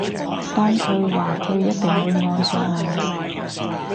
當佢話佢一定會愛上我